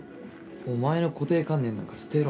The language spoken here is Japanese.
お前の固定観念なんか捨てろ。